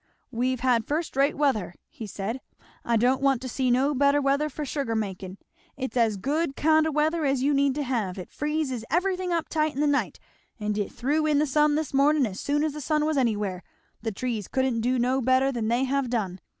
"We've had first rate weather," he said; "I don't want to see no better weather for sugar makin'; it's as good kind o' weather as you need to have. It friz everythin' up tight in the night, and it thew in the sun this mornin' as soon as the sun was anywhere; the trees couldn't do no better than they have done.